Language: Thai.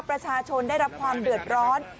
ประชาชนได้รับความเดือดร้อน